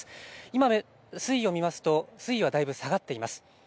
今、水位を見ますと水位はだいぶ下がっています。